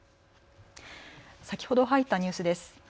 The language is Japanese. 先ほど入ったニュースです。